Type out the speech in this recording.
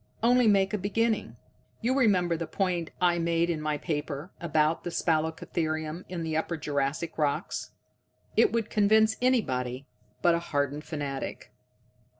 Only make a beginning. You remember the point I made in my paper, about spalacotherium in the Upper Jurassic rocks. It would convince anybody but a hardened fanatic."